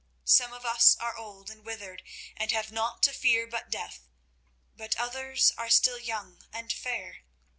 Some of us are old and withered, and have naught to fear but death, but others are still young and fair.